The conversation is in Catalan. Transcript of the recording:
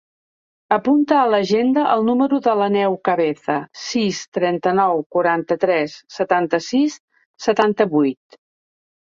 Apunta a l'agenda el número de l'Àneu Cabeza: sis, trenta-nou, quaranta-tres, setanta-sis, setanta-vuit.